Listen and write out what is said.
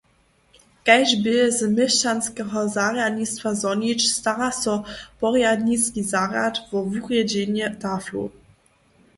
Kaž bě z měšćanskeho zarjadnistwa zhonić, stara so porjadniski zarjad wo wurjedźenje taflow.